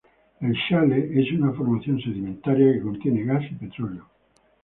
El shale es una formación sedimentaria que contiene gas y petróleo.